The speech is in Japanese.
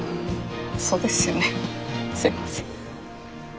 そうですよねすいません。